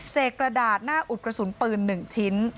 กระดาษหน้าอุดกระสุนปืน๑ชิ้น